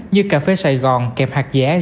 như cà phê sài gòn kẹp hạt giả